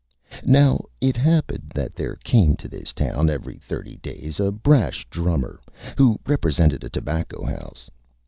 Now, it happened that there came to this Town every Thirty Days a brash Drummer, who represented a Tobacco House.